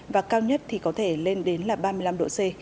và cao nhất thì có thể lên đến là ba mươi năm độ c